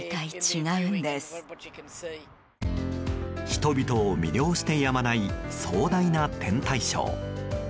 人々を魅了してやまない壮大な天体ショー。